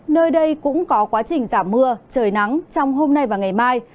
nơi đây cũng có quá trình giảm mưa trời nắng trong hôm nay và ngày mai